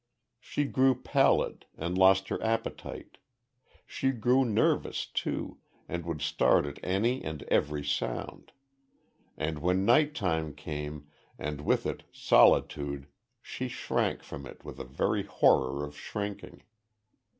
She grew pallid, and lost her appetite. She grew nervous, too, and would start at any and every sound; and when night time came, and with it solitude, she shrank from it with a very horror of shrinking.